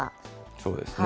そうですね。